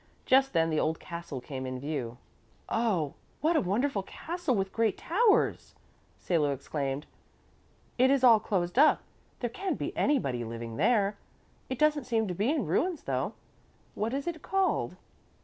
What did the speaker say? Just then the old castle came in view. "Oh, what a wonderful castle with great towers!" Salo exclaimed. "It is all closed up; there can't be anybody living there. It doesn't seem to be in ruins, though. What is it called?"